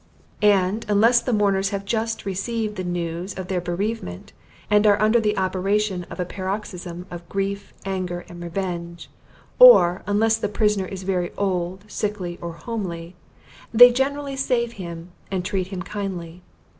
And unless the mourners have but just received the news of their bereavement, and are under the operation of a paroxysm of grief, anger and revenge; or, unless the prisoner is very old, sickly, or homely, they generally save him, and treat him kindly.